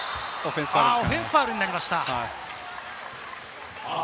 オフェンスファウルになりました。